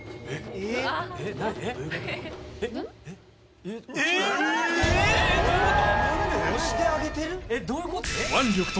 えっどういうこと？